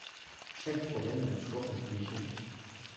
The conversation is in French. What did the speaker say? Chaque problème a toujours sa solution.